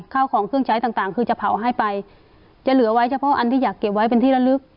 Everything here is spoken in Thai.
ข้าวของเครื่องใช้ต่างคือจะเผาให้ไปจะเหลือไว้เฉพาะอันที่อยากเก็บไว้เป็นที่ละลึก